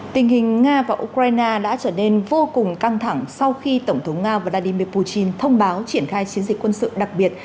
tình hình nga và ukraine đã trở nên vô cùng căng thẳng sau khi tổng thống nga vladimir putin thông báo triển khai chiến dịch quân sự đặc biệt